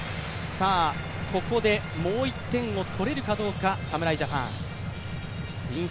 ここでもう１点を取れるかどうか侍ジャパン。